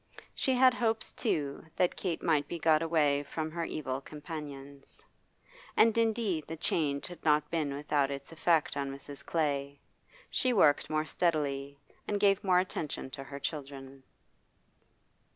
She had hopes, too, that Kate might be got away from her evil companions. And indeed the change had not been without its effect on Mrs. Clay; she worked more steadily, and gave more attention to her children.